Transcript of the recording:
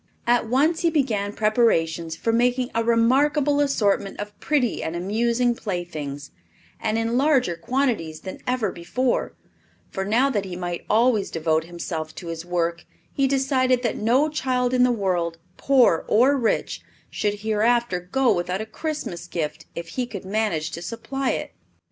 At once he began preparations for making a remarkable assortment of pretty and amusing playthings, and in larger quantities than ever before; for now that he might always devote himself to this work he decided that no child in the world, poor or rich, should hereafter go without a Christmas gift if he could manage to supply it.